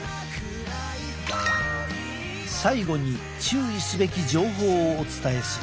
最後に注意すべき情報をお伝えする。